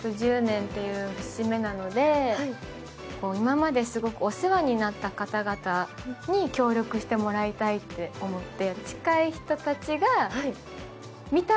今まですごくお世話になった方々に協力してもらいたいって思って。